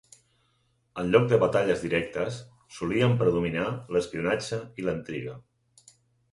En lloc de batalles directes, solien predominar l'espionatge i la intriga.